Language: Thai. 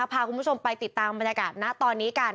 พาคุณผู้ชมไปติดตามบรรยากาศนะตอนนี้กัน